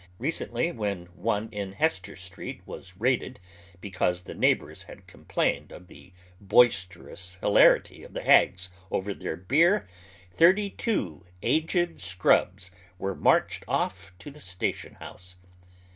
Recently, when one in Hester Street was raided because the neighbors had complained of the boisterons hilarity of the hags over their beer, thirty two aged " scrubs " were marched off to the statioQ honse.